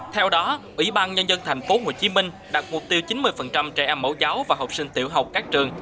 theo đó ủy ban nhân dân thành phố hồ chí minh đặt mục tiêu chín mươi trẻ em mẫu giáo và học sinh tiểu học các trường